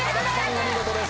お見事です。